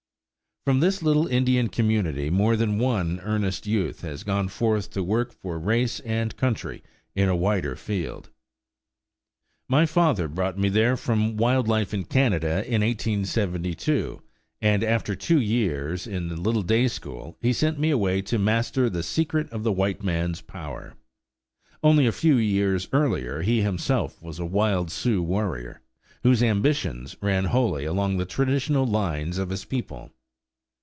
From this little Indian community more than one earnest youth has gone forth to work for race and country in a wider field. My father brought me there from wild life in Canada in 1872, and after two years in the little day school he sent me away to master the secret of the white man's power. Only a few years earlier he himself was a wild Sioux warrior, whose ambitions ran wholly along the traditional lines of his people.